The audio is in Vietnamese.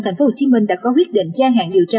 tp hcm đã có quyết định gia hạn điều tra